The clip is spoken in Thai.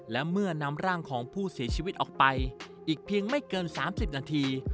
และเมื่อนำร่างของผู้เสียชีวิตออกไปอีกเพียงไม่เกิน๓๐นาที